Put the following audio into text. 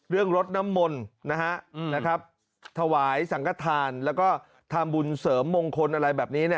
เรื่องรสน้ำมนต์นะครับถวายสังฆาตธานแล้วก็ทำบุญเสริมมงคลอะไรแบบนี้